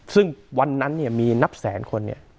ซึ่งวันนั้นเนี่ยมีนับแสนคนเนี่ย